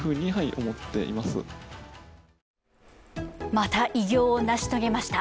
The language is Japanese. また偉業を成し遂げました。